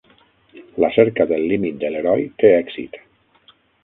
La cerca del límit de l'heroi té èxit.